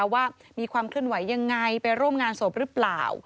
ว่ามีความเคลื่อนไหวยังไงไปร่วมงานศพหรือเปล่า